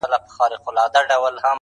o مامد خيره، ستا ئې د خيره٫